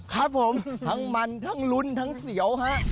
ครับผมทั้งมันทั้งลุ้นทั้งเสียวฮะ